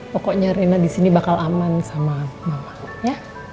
pokoknya rena di sini bakal aman sama mama